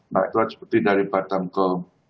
nah itu seperti dari batam ke